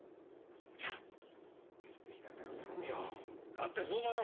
だってそうだろ！